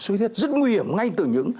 suốt huyết rất nguy hiểm ngay từ những